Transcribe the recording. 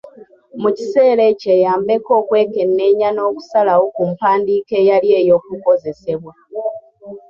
Mu kiseera ekyo eyambeko okwekenneenya n’okusalawo ku mpandiika eyali ey’okukozesebwa.